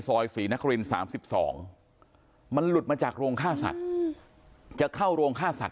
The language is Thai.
ศรีนคริน๓๒มันหลุดมาจากโรงฆ่าสัตว์จะเข้าโรงฆ่าสัตว